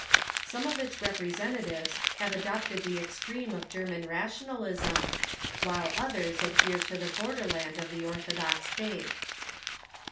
Some of its representatives have adopted the extreme of Ger man rationalism, while others adhere to the border land of the orthodox faith.